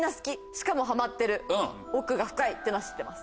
しかもハマってる奥が深いっていうのは知ってます。